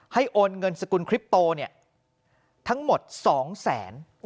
โอนเงินสกุลคลิปโตเนี่ยทั้งหมด๒แสน